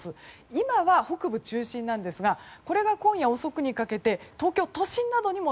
今は北部中心なんですがこれが今夜遅くにかけて東京都心などにも